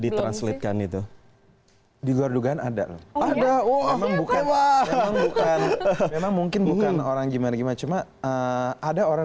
dikonsultasi itu di luar dugaan ada ada oh memang bukan orang gimana gimana cuma ada orang